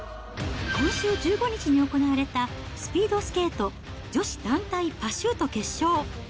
今週１５日に行われたスピードスケート女子団体パシュート決勝。